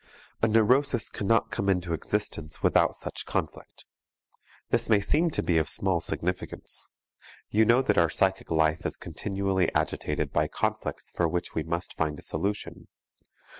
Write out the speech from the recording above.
A neurosis cannot come into existence without such conflict. This may seem to be of small significance. You know that our psychic life is continually agitated by conflicts for which we must find a solution.